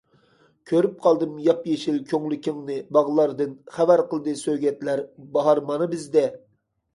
كۆرۈپ قالدىم ياپيېشىل كۆڭلىكىڭنى باغلاردىن، خەۋەر قىلدى سۆگەتلەر: باھار مانا بىزدە!